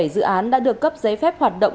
hai mươi bảy dự án đã được cấp giấy phép hoạt động